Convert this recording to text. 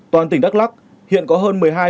toàn tỉnh đắk lắc hiện có hơn